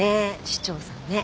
市長さんね。